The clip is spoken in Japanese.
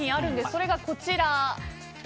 それが、こちら。